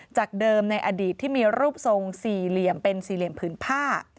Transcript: จากเดิมในอดีตที่มีรูปทรงสี่เหลี่ยมเป็นสี่เหลี่ยมผืนผ้า